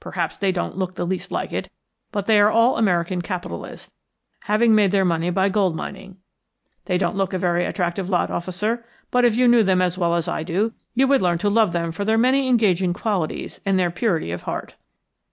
Perhaps they don't look in the least like it, but they are all American capitalists, having made their money by gold mining. They don't look a very attractive lot, officer, but if you knew them as well as I do you would learn to love them for their many engaging qualities, and their purity of heart."